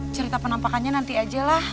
cerita penampakannya nanti aja lah